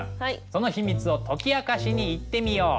その秘密を解き明かしに行ってみよう！